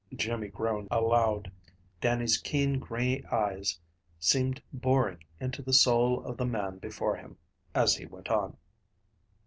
Jimmy groaned aloud. Dannie's keen gray eyes seemed boring into the soul of the man before him, as he went on.